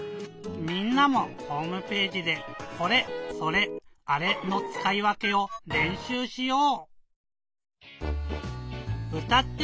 みんなもホームページで「これ」「それ」「あれ」のつかいわけをれんしゅうしよう！